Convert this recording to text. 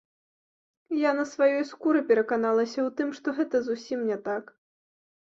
Я на сваёй скуры пераканалася ў тым, што гэта зусім не так.